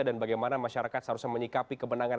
dan bagaimana masyarakat seharusnya menyikapi kemenangan